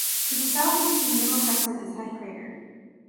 To the southeast of Middle Crescent is Head crater.